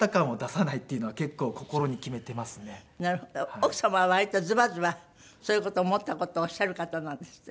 奥様は割とズバズバそういう事思った事をおっしゃる方なんですって？